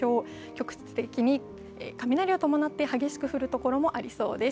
局地的に雷を伴って激しく降るところもありそうです。